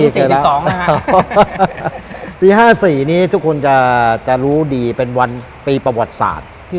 ปี๕๔นี้ทุกคนจะรู้ดีเป็นวันปีประวัติศาสตร์